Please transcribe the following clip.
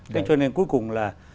thế cho nên cuối cùng là